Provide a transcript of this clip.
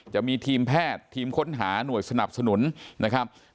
จะมีทีมแพทย์ทีมค้นหาหน่วยสนับสนุนนะครับ